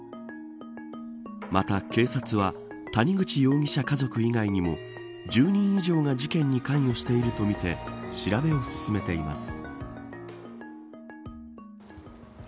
また警察は谷口容疑者家族以外にも１０人以上が事件に関与しているとみて調べを進めています。